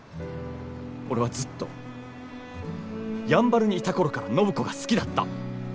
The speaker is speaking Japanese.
俺はずっとやんばるにいた頃から暢子が好きだった。